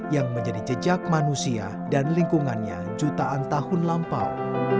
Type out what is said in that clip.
yang menjadi jejak manusia dan lingkungannya jutaan tahun lampau